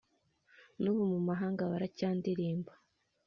N'ubu mu mahanga baracyandilimba,